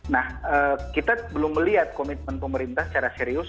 nah kita belum melihat komitmen pemerintah secara serius